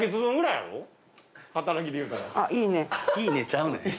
いいねちゃうねん。